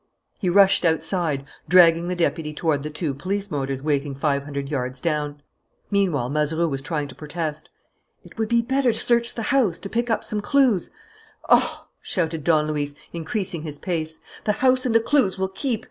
He rushed outside, dragging the deputy toward the two police motors waiting five hundred yards down. Meanwhile, Mazeroux was trying to protest: "It would be better to search the house, to pick up some clues " "Oh," shouted Don Luis, increasing his pace, "the house and the clues will keep!